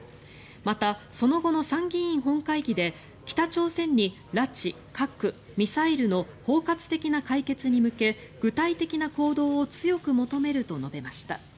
また、その後の参議院本会議で北朝鮮に拉致、核、ミサイルの包括的な解決に向け具体的な行動を強く求めると述べました。